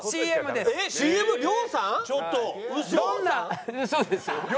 そうですよ。